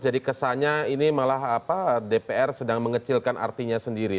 jadi kesannya ini malah dpr sedang mengecilkan artinya sendiri